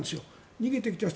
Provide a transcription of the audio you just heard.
逃げてきた人